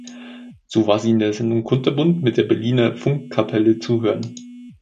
So war sie in der Sendung "Kunterbunt" mit der Berliner Funk-Kapelle zu hören.